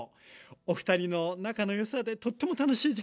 おふたりの仲の良さでとっても楽しい時間でした！